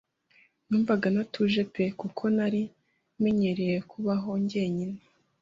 numvaga ntatuje pe! Kuko ntari menyereye kubaho njyenyine.